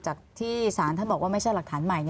จากที่ศาลท่านบอกว่าไม่ใช่หลักฐานใหม่